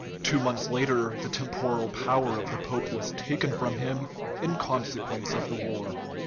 Two months later the temporal power of the pope was taken from him in consequence of the war.